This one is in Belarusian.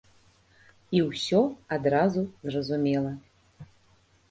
І ўсё адразу зразумела.